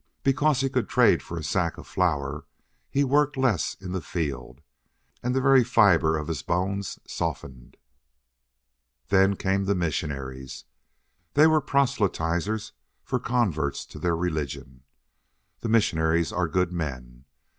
Because he could trade for a sack of flour he worked less in the field. And the very fiber of his bones softened. "Then came the missionaries. They were proselytizers for converts to their religion. The missionaries are good men.